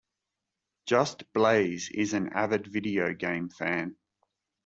Just Blaze is an avid video game fan.